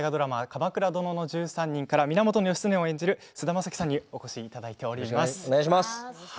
「鎌倉殿の１３人」から源義経を演じる菅田将暉さんにお越しいただいています。